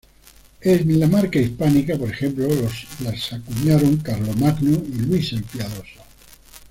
En la Marca Hispánica, por ejemplo, las acuñaron Carlomagno y Luis el Piadoso.